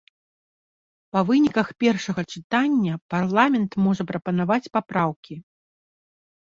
Па выніках першага чытання парламент можа прапанаваць папраўкі.